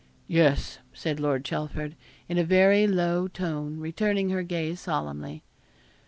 'Yes,' said Lord Chelford, in a very low tone, returning her gaze solemnly.